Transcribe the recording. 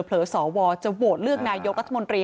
เฉอสวจะโหวตเลือกนายกรัฐมนตรี